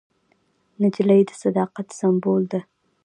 نجلۍ د صداقت سمبول ده.